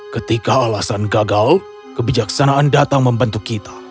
ketika alasan gagal kebijaksanaan datang membantu kita